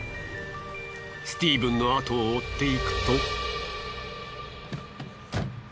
スティーブンのあとを追っていくと。